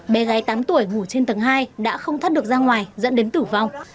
bé gái tám tuổi ngủ trên tầng hai đã không thoát được ra ngoài dẫn đến tử vong